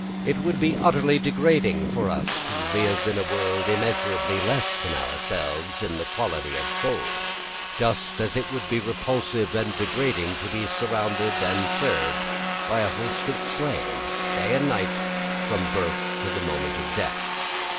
It would be utterly degrading for us to live in a world immeasurably less than ourselves in the quality of soul, just as it would be repulsive and degrading to be surrounded and served by a host of slaves, day and night, from birth to the moment of death.